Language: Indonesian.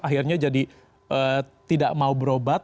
akhirnya jadi tidak mau berobat